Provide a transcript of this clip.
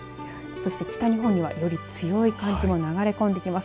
そして北日本にはより強い寒気も流れ込んできます。